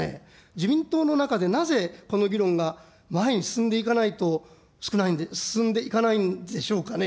自民党の中でなぜ、この議論が前に進んでいかないと、いかないんでしょうかね。